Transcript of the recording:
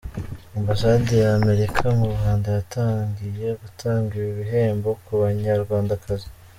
Ambasade ya Amerika mu Rwanda yatangiye gutanga ibi bihembo ku Banyarwandakazi.